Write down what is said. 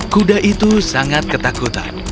kuda itu sangat ketakutan